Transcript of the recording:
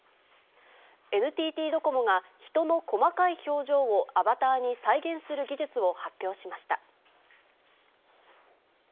ＮＴＴドコモが、人の細かい表情をアバターに再現する技術を発表しました。